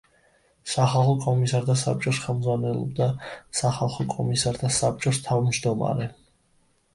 სახალხო კომისართა საბჭოს ხელმძღვანელობდა სახალხო კომისართა საბჭოს თავმჯდომარე.